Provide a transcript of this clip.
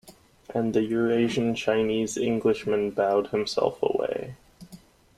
And the Eurasian Chinese-Englishman bowed himself away.